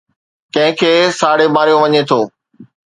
ڪنهن کي ساڙي ماريو وڃي ٿو